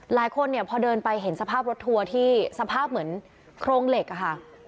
หลายคนเนี่ยพอเดินไปเห็นสภาพรถทัวร์ที่สภาพเหมือนโครงเหล็กอะค่ะ